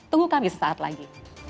tunggu kami sesaat lagi